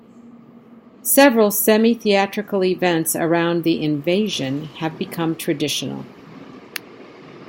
Several semi-theatrical events around the "invasion" have become traditional.